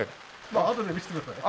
あとで見せてください。